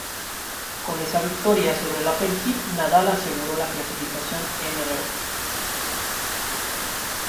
Con esa victoria sobre Lapentti, Nadal aseguró la clasificación nro.